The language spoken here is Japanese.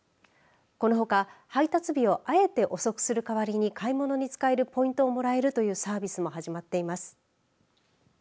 このほか配達日をあえて遅くする代わりに買い物に使えるポイントをもらえるというサービスも始まっています。